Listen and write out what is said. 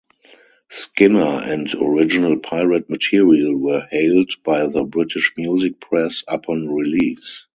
Skinner and "Original Pirate Material" were hailed by the British music press upon release.